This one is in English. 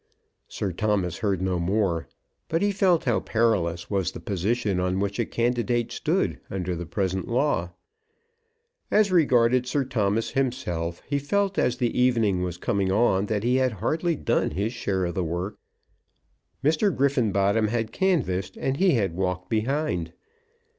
Sir Thomas heard no more, but he felt how perilous was the position on which a candidate stood under the present law. As regarded Sir Thomas himself, he felt, as the evening was coming on, that he had hardly done his share of the work. Mr. Griffenbottom had canvassed, and he had walked behind.